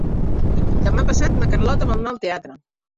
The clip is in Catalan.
Demà passat na Carlota vol anar al teatre.